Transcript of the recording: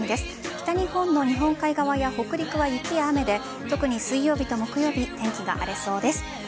北日本の日本海側や北陸は雪や雨で特に水曜日と木曜日天気が荒れそうです。